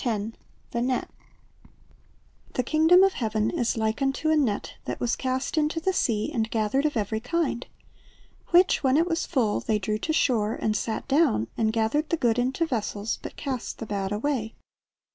3.;7,S The Net 'V ^HE kingdom of heaven is like unto a net, that was cast into the sea, and gathered of every kind ; which, when it was full, they drew to shore, and sat down, and gathered the good into vessels, but cast the bad away.